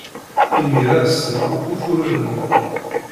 Imir-a, ssneɣ akk ufuren-nnem!